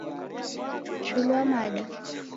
Chuilwa mada.